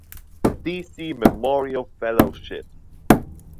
Steacie Memorial Fellowships.